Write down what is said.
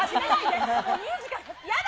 もう、ミュージカル。